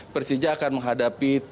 persija akan menghadapi tim dari senayan